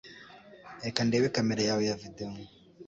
Reka ndebe kamera yawe ya videwo.